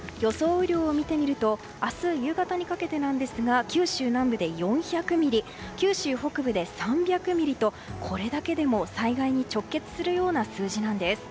雨量を見てみると明日夕方にかけてですが九州南部で４００ミリ九州北部で３００ミリとこれだけでも災害に直結するような数字なんです。